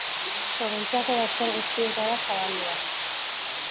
Probintziako bazter guztietara zabaldua.